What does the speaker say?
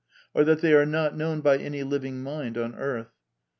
Or that they are not known by any living mind on earth?